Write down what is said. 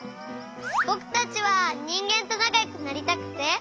ぼくたちはにんげんとなかよくなりたくて。